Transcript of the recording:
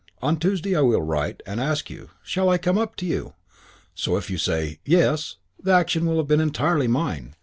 On Tuesday I will write and ask you, 'Shall I come up to you?' So if you say 'Yes' the action will have been entirely mine.